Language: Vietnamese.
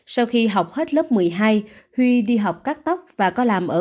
sau khi học hết lớp một mươi hai huy đi học các tóc và có làm ở